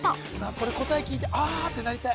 これ答え聞いて「ああ！」ってなりたい